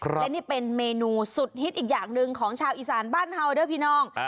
และนี่เป็นเมนูสุดฮิตอีกอย่างหนึ่งของชาวอีสานบ้านเฮาด้วยพี่น้อง